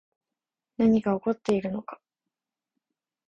何が起こっているのか